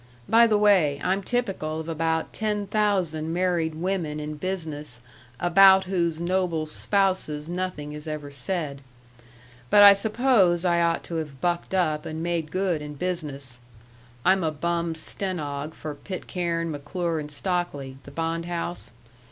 By the way, I'm typical of about ten thousand married women in business about whose noble spouses nothing is ever said. But I suppose I ought to have bucked up and made good in business (I'm a bum stenog. for Pitcairn, McClure & Stockley, the bond house).